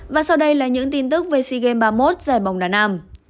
và sau đây là những tin tức về sea games ba mươi một giải bóng đà nam